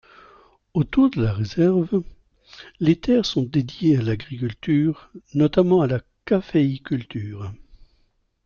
Autour de la réserve, les terres sont dédiées à l'agriculture, notamment à la caféiculture.